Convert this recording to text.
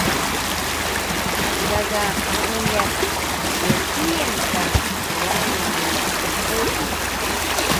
Gaga muuyas yocuyen ka swai mu mqedil